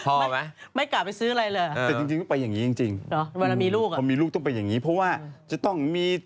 โอเคเห็นแล้วก่อน